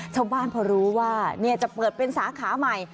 ชาวบ้านพอรู้ว่าจะเปิดเป็นสาขาใหม่